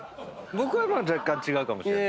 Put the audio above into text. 僕は若干違うかもしれない。